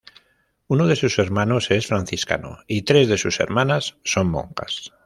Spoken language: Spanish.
Uno de sus hermanos es franciscano, y tres de sus hermanas son monjas.